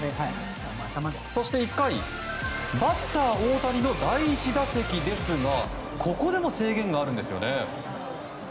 そして１回バッター大谷の第１打席ですがここでも制限があるんですよね。